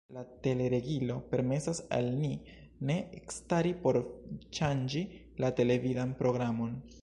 La teleregilo permesas al ni ne ekstari por ŝanĝi la televidan programon.